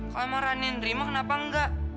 kalau emang rani yang nerima kenapa enggak